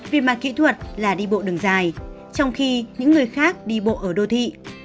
việc mà kỹ thuật là đi bộ đường dài trong khi những người khác đi bộ ở đô thị